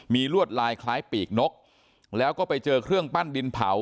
มีลวดลายคล้ายปีกนกแล้วก็ไปเจอเครื่องปั้นดินเผา